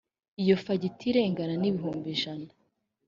iyo fagitire ingana n’ibihumbi ijana